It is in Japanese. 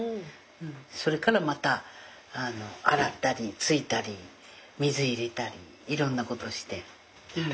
それからまた洗ったりついたり水入れたりいろんなことして。